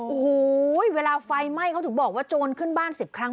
โอ้โหเวลาไฟไหม้เขาถึงบอกว่าโจรขึ้นบ้าน๑๐ครั้ง